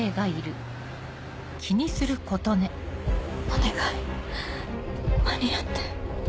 お願い間に合って。